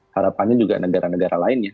harapannya juga negara negara lainnya